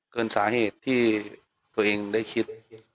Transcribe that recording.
เกินสาเหตุที่ตัวเองได้คิด